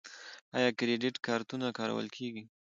آیا کریډیټ کارتونه کارول کیږي؟